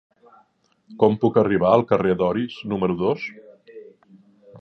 Com puc arribar al carrer d'Orís número dos?